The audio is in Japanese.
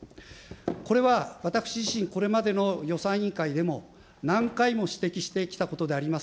これは私自身、これまでの予算委員会でも、何回も指摘してきたことであります